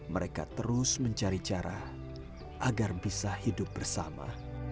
mereka terus mencari cara agar bisa hidup bersama